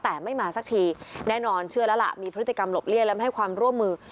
แต่ไม่มาสักทีแน่นอนเชื่อแล้วล่ะมีพฤติกรรมหลบเลี่ยและไม่ให้ความร่วมมือ